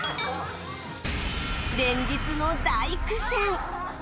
連日の大苦戦。